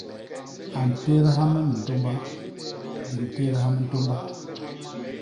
A ntédha me mintômba, di ntédha mintômba.